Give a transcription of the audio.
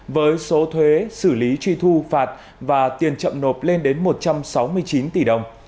với số thuế xử lý truy thu phạt và tiền chậm nộp lên đến một trăm sáu mươi chín tỷ đồng